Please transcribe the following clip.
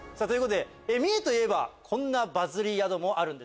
三重といえばこんなバズり宿もあるんです。